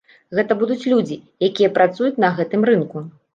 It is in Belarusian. Гэта будуць людзі, якія працуюць на гэтым рынку.